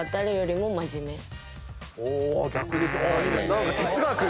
何か哲学。